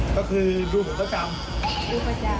ก็คือรูปประจำรูปประจำ